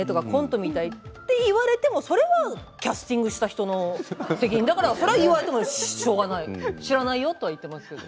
コントみたいって言われてもそれはキャスティングした人の責任だから知らないよとは言っています。